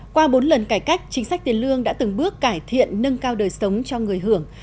qua bốn lần cải cách chính sách tiền lương đã từng bước cải thiện nâng cao đời sống cho người hưởng